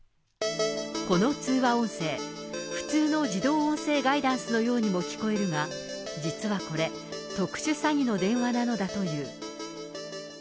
この通話音声、普通の自動音声ガイダンスのようにも聞こえるが、実はこれ、特殊詐欺の電話なのだという。